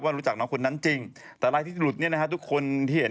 รู้จักน้องคนนั้นจริงแต่รายที่สุดเนี่ยนะฮะทุกคนที่เห็น